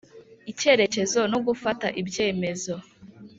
Icyerekezo no gufata ibyemezo